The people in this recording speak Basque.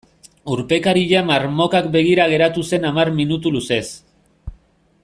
Urpekaria marmokak begira geratu zen hamar minutu luzez.